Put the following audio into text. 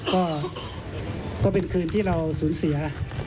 ก็เป็นคืนที่เราสูญเสีย